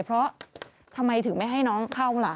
เพราะทำไมถึงไม่ให้น้องเข้าล่ะ